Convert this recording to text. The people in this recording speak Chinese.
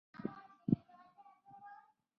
嘉庆二十三年卒。